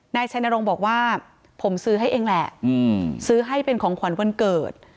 นายชัยนรงค์บอกว่าผมซื้อให้เองแหละซื้อให้เป็นของขวัญวันเกิด